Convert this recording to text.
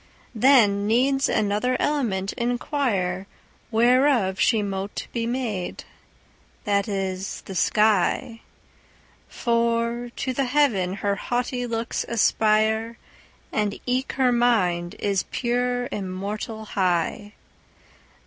Then needs another element inquireWhereof she mote be made—that is, the sky; For to the heaven her haughty looks aspire, And eke her mind is pure immortal high.